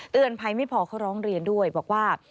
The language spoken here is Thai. ภัยไม่พอเขาร้องเรียนด้วยบอกว่า